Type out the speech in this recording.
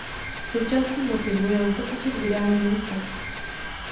Součástí motivu je letopočet vydání mince.